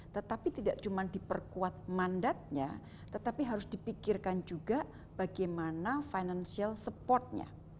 tetapi tidak cuma diperkuat mandatnya tetapi harus dipikirkan juga bagaimana financial supportnya